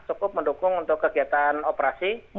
cukup mendukung untuk kegiatan operasi